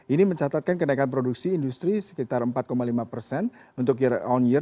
ini mencatatkan kenaikan produksi industri sekitar empat lima persen untuk year on year